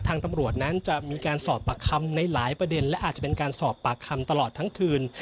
ตำรวจนั้นจะมีการสอบปากคำในหลายประเด็นและอาจจะเป็นการสอบปากคำตลอดทั้งคืน